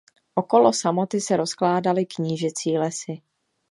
Okolo samoty se rozkládaly knížecí lesy.